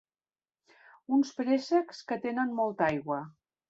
Uns préssecs que tenen molta aigua.